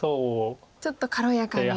ちょっと軽やかに。